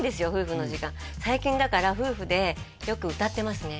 最近だから夫婦でよく歌ってますね